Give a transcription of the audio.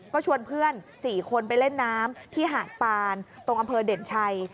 ก็ชวนเพื่อน๔คนไปเล่นน้ำที่หาดฟานตรงอำเภอเด่นชัย